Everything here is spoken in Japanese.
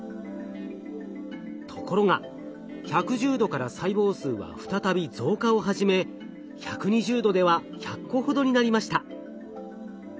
ところが１１０℃から細胞数は再び増加を始め１２０℃では１００個ほどになりました。